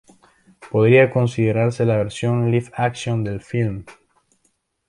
Podría considerarse la versión "live action" del filme.